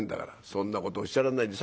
「そんなことおっしゃらないで。